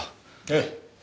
ええ。